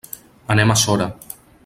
Anem a Sora.